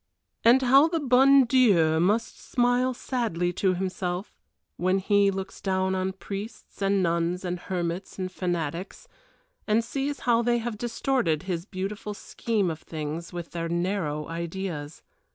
And how the bon Dieu must smile sadly to Himself when He looks down on priests and nuns and hermits and fanatics, and sees how they have distorted His beautiful scheme of things with their narrow ideas.